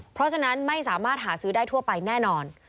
เพราะฉะนั้นไม่สามารถหาซื้อได้ทั่วไปแน่นอน